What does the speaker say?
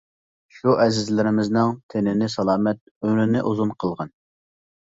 شۇ ئەزىزلىرىمنىڭ تېنىنى سالامەت، ئۆمرىنى ئۇزۇن قىلغىن!